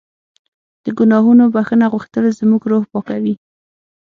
د ګناهونو بښنه غوښتل زموږ روح پاکوي.